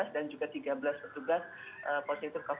dan juga tiga belas petugas